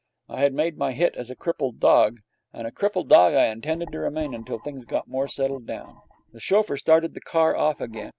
I had made my hit as a crippled dog, and a crippled dog I intended to remain till things got more settled down. The chauffeur started the car off again.